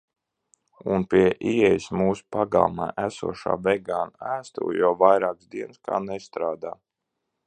Un pie ieejas mūsu pagalmā esošā vegānu ēstuve jau vairākas dienas kā nestrādā.